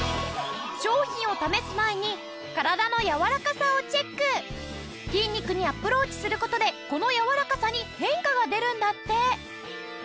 商品を試す前に筋肉にアプローチする事でこの柔らかさに変化が出るんだって。